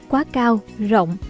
quá cao rộng